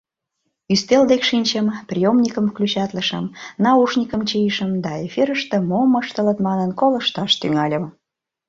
Ӱстел дек шинчым, приёмникым включатлышым, наушникым чийышым да, эфирыште мом ыштылыт манын, колышташ тӱҥальым.